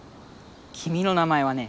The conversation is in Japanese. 君の名前はね。